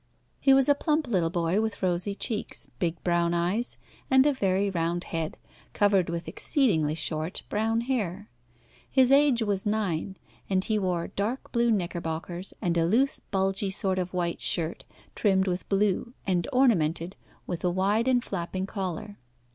He was a plump little boy, with rosy cheeks, big brown eyes, and a very round head, covered with exceedingly short brown hair. His age was nine, and he wore dark blue knickerbockers and a loose, bulgy sort of white shirt, trimmed with blue, and ornamented with a wide and flapping collar.